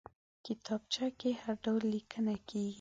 کتابچه کې هر ډول لیکنه کېږي